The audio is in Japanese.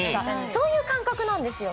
そういう感覚なんですよ。